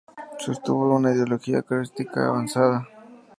Sostuvo una ideología krausista y avanzada.